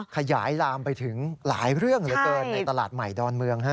ขยายลามไปถึงหลายเรื่องเหลือเกินในตลาดใหม่ดอนเมือง